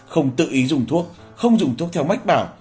không tự ý dùng thuốc không dùng thuốc theo mách bảo